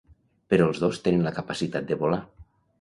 Però els dos tenen la capacitat de volar.